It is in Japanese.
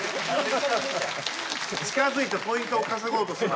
近づいてポイントを稼ごうとすな。